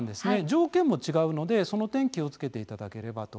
条件も違うのでその点気を付けていただければと思います。